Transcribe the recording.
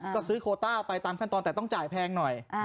ก็ซื้อโคต้าไปตามขั้นตอนแต่ต้องจ่ายแพงหน่อย